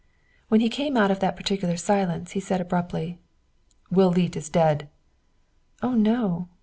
When he came out of that particular silence he said abruptly: "Will Leete is dead." "Oh, no!